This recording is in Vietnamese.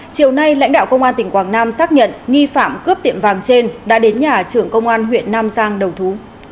chiều nay lãnh đạo công an tỉnh quảng nam xác nhận nghi phạm cướp tiệm vàng trên đã đến nhà trưởng công an huyện nam giang đầu thú